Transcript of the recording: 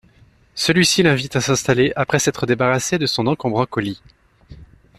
Celui-ci l’invite à s’installer après s’être débarrassé de son encombrant colis.